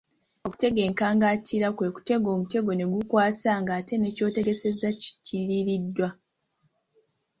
Okutega enkangantira kwe kutega omutego ne gutakwasa ngate ne ky'otegesezza kiriiriddwa.